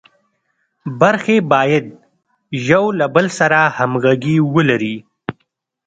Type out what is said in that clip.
برخې باید یو له بل سره همغږي ولري.